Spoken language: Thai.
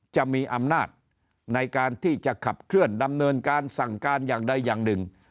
จะมีอำนาจในการที่จะขับเคลื่อนดำเนินการสั่งการอย่างใดอย่างหนึ่ง